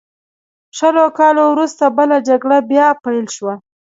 شلو کالو وروسته بله جګړه بیا پیل شوه.